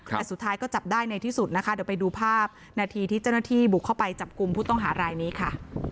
แต่สุดท้ายก็จับได้ในที่สุดนะคะเดี๋ยวไปดูภาพนาทีที่เจ้าหน้าที่บุกเข้าไปจับกลุ่มผู้ต้องหารายนี้ค่ะ